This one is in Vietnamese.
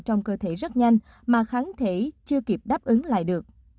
trong cơ thể rất nhanh mà kháng thể chưa kịp đáp ứng lại được